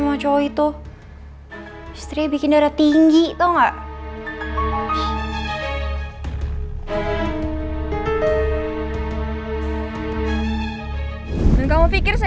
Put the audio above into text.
udah sayang diam